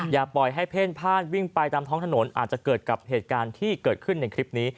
อย่าปล่อยให้เพ่นพลาดวิ่งไปตามท้องถนนอาจจะเกิดกับเหตุการณ์ที่เกิดขึ้นในคลิปนี้